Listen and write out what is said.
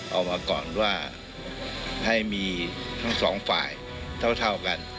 ออกมาก่อนว่าให้มีทั้งสองฝ่ายเท่ากัน